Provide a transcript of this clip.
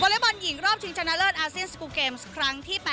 เล็กบอลหญิงรอบชิงชนะเลิศอาเซียนสกูลเกมส์ครั้งที่๘